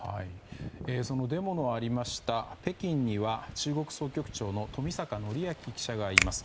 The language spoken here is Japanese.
デモのありました北京には中国総局長の冨坂範明記者がいます。